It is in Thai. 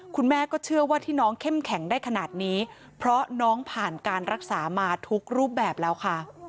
คุณแม่ก็เชื่อว่าที่น้องเข้มแข็งได้ขนาดนี้เพราะน้องผ่านการรักษามาทุกรูปแบบแล้วค่ะ